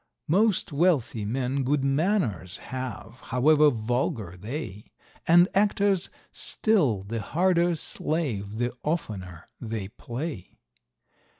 Most wealthy men good manors have, however vulgar they; And actors still the harder slave the oftener they play.